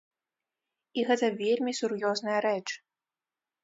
І гэта вельмі сур'ёзная рэч.